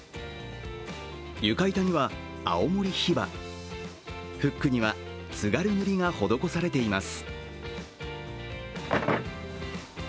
床板には、青森ヒバフックには津軽塗が施されています。